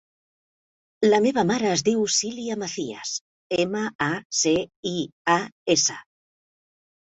La meva mare es diu Silya Macias: ema, a, ce, i, a, essa.